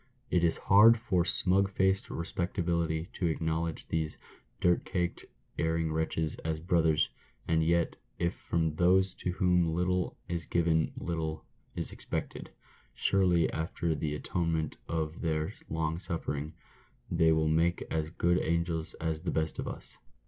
It is hard for smug faced respectability to acknowledge these dirt caked, erring wretches as brothers, and yet, if from those to whom little is given little is expected, surely, after the atonement of their long suffering, they will make as good angels as the best of us.